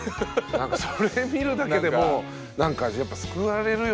なんかそれ見るだけでもうなんかやっぱ救われるよね。